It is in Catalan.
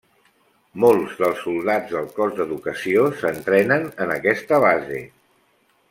Molts dels soldats del cos d'Educació s'entrenen en aquesta base.